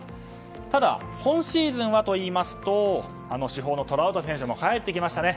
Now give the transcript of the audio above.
ただ今シーズンはというと主砲のトラウト選手も帰ってきましたね。